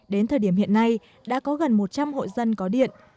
đến thời điểm hiện nay đã có gần một trăm linh hộ dân có điện